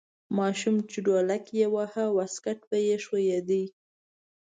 ماشوم چې ډولک یې واهه واسکټ به یې ښویده.